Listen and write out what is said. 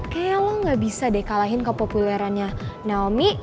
kayaknya lo gak bisa deh kalahin kepopulerannya naomi